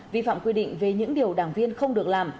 vi phạm quy định về những điều đảng viên không được làm